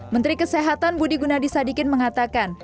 menteri kesehatan budi gunadisadikin mengatakan